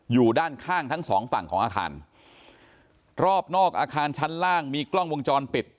อยู่ด้านข้างทั้งสองฝั่งของอาคารรอบนอกอาคารชั้นล่างมีกล้องวงจรปิด